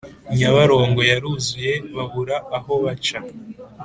Nyabarongo yaruzuye Babura aho baca.